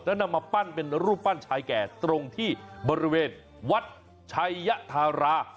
นำมาปั้นเป็นรูปปั้นชายแก่ตรงที่บริเวณวัดชัยธารา